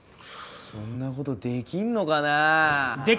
そんなことできんのかなぁ？